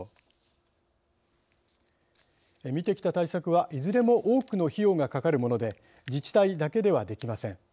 見てきた対策はいずれも多くの費用がかかるもので自治体だけではできません。